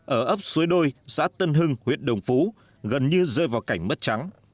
ở ấp suối đôi giã tân hưng huyệt đồng phú gần như rơi vào cảnh mất trắng